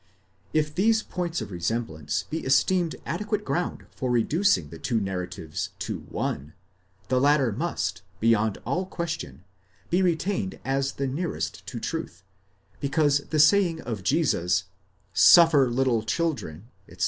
If these points of resem blance be esteemed adequate ground for reducing the two narratives to one, _ the latter must, beyond all question, be retained as the nearest to truth, be cause the saying of Jesus, Suffer /ittle children, etc.